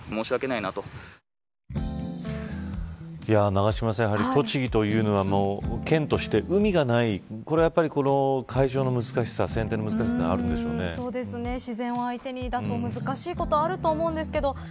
永島さんやはり栃木というのは県として海がないこれは、やっぱり、この会場の選定の難しさが自然を相手に、難しいことあると思うんですけど